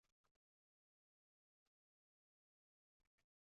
Temirchining so’nggi o’yi qoq o’rtasidan